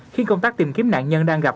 khiến công tác tìm kiếm nạn nhân đang gặp